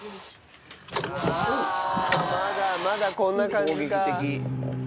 まだまだこんな感じか。